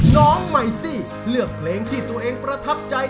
น้องไมตี้เลือกเพลงที่ตัวเองประทับใจ